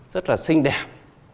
rất là xinh đẹp